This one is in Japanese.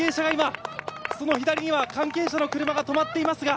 その左には今、関係者の車が止まっていますが、